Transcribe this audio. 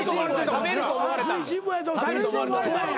食べると思われたんや。